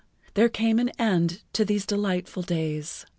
there came an end to these delightful days.